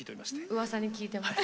うわさに聞いてます。